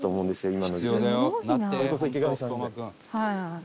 今の時代。